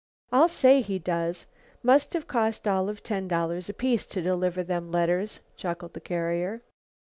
"I'll say he does! Must have cost all of ten dollars apiece to deliver them letters," chuckled the carrier.